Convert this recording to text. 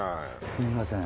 すいません。